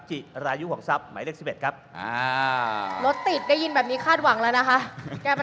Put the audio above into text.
จิรายุของทรัพย์หมายเลข๑๑ครับ